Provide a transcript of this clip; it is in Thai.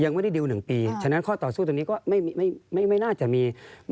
ยังไม่ได้ดิว๑ปีฉะนั้นข้อต่อสู้ตรงนี้ก็ไม่ไม่น่าจะมี